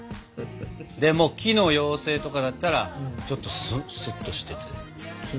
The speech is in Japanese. でも木の妖精とかだったらちょっとスッとしてて。